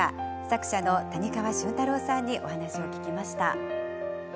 作者の谷川俊太郎さんにお話を聞きました。